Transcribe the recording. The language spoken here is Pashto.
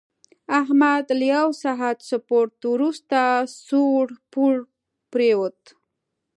احمد له یوه ساعت سپورت ورسته سوړ پوړ پرېوت.